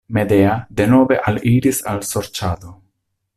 Medea denove aliris al sorĉado.